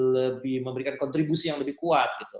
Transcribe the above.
lebih memberikan kontribusi yang lebih kuat gitu